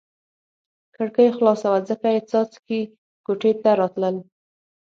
کړکۍ خلاصه وه ځکه یې څاڅکي کوټې ته راتلل.